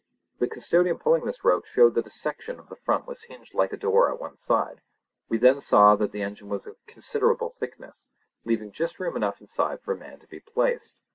The custodian pulling this rope showed that a section of the front was hinged like a door at one side; we then saw that the engine was of considerable thickness, leaving just room enough inside for a man to be placed.